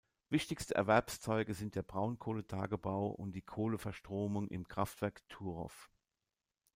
Wichtigste Erwerbszweige sind der Braunkohletagebau und die Kohleverstromung im Kraftwerk Turów.